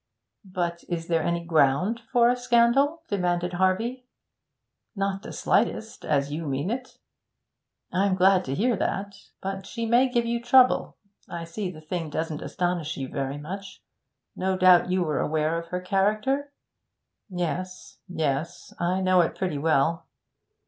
'But is there any ground for a scandal?' demanded Harvey. 'Not the slightest, as you mean it.' 'I'm glad to hear that. But she may give you trouble. I see the thing doesn't astonish you very much; no doubt you were aware of her character.' 'Yes, yes; I know it pretty well.